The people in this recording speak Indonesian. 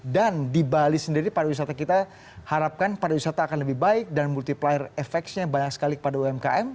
dan di bali sendiri para wisata kita harapkan para wisata akan lebih baik dan multiplier efeknya banyak sekali pada umkm